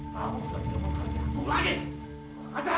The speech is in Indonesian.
kamu sudah diomongkan